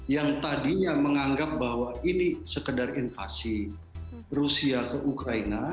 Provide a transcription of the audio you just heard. yang tadinya menganggap bahwa ini sekedar invasi rusia ke ukraina